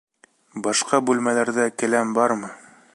Башҡа бүлмәләрҙә келәм бармы?